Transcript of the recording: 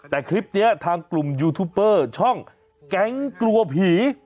แต่คลิปนี้ทางกลุ่มยูทูปเปอร์ช่องแก๊งกลัวผี